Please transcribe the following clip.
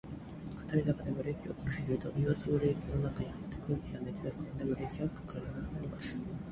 下り坂でブレーキを掛けすぎると、油圧ブレーキの中に入った空気が熱で膨らんで、ブレーキが掛からなくなります。